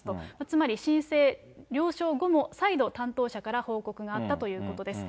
つまり、申請、了承後も再度、担当者から報告があったということです。